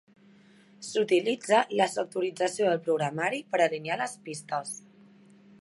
S'utilitza la sectorització del programari per alinear les pistes.